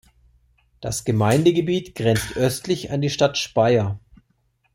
Das Gemeindegebiet grenzt östlich an die Stadt Speyer.